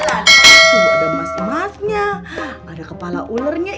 tuh ada emas emasnya ada kepala ulernya